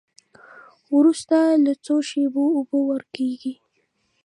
وروسته له څو شېبو اوبه ورکیږي.